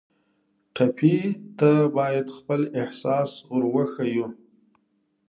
ټپي ته باید خپل احساس ور وښیو.